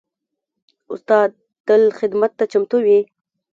استاد تل خدمت ته چمتو وي.